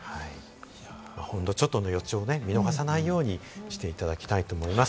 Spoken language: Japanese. ちょっとの予兆を見逃さないようにしていただきたいと思います。